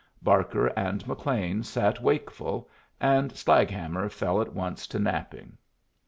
Barker and McLean sat wakeful, and Slaghammer fell at once to napping.